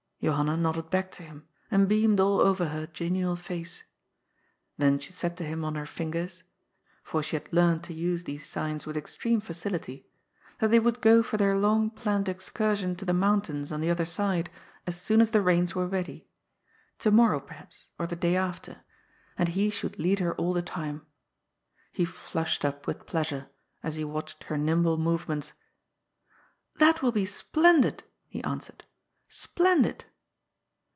Johanna nodded back to him, and beamed all over her genial face. Then she said to him on her fingers — ^f or she had learned to use these signs with extreme facility — ^that they would go for their long planned excursion to the mountains on the other side as soon as the reins were ready — to morrow, perhaps, or the day after, and he should lead 42 GOD'S POOL. her all the time. He flushed up with pleasure, as he watched her nimble movements, " That will be splendid I he answered —" splendid